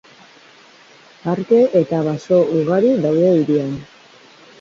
Parke eta baso ugari daude hirian.